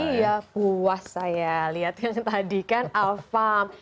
iya puas saya lihat yang tadi kan alfam